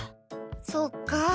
そっか。